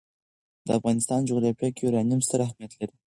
د افغانستان جغرافیه کې یورانیم ستر اهمیت لري.